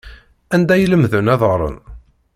Anda ay lemden ad ɣren?